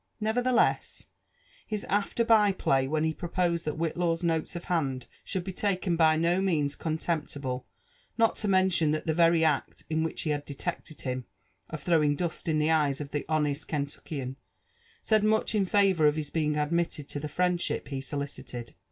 Nevertheless, his after by play when he proposed (hat Whitlaw's notes of hand should be taken was by ho means contemptible ; not to mention Ihat the very act in which he had detected him, of throwing dust in the eyes of thro honest Kentuckian, said much in favour of his being admitted to the friendship he solicited.